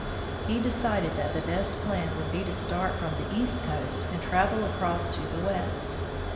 He decided that the best plan would be to start from the east coast and travel across to the west.